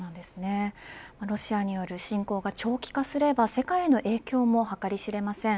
ロシアによる侵攻が長期化すれば世界への影響も計り知れません。